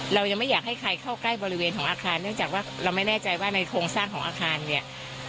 เรายังไม่อยากให้ใครเข้าใกล้บริเวณของอาคารเนื่องจากว่าเราไม่แน่ใจว่าในโครงสร้างของอาคารเนี่ย